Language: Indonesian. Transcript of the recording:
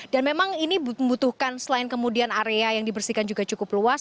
dan memang ini membutuhkan selain kemudian area yang dibersihkan juga cukup luas